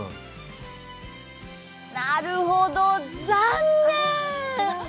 なるほど、残念！